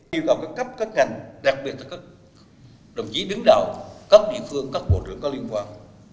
yêu cầu các cấp các ngành đặc biệt là các đồng chí đứng đầu các địa phương các bộ trưởng có liên quan